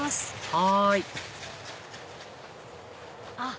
はいあっ